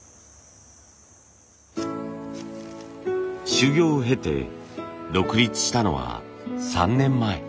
修業を経て独立したのは３年前。